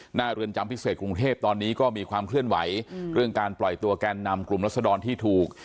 เรือนจำพิเศษกรุงเทพตอนนี้ก็มีความเคลื่อนไหวเรื่องการปล่อยตัวแกนนำกลุ่มรัศดรที่ถูก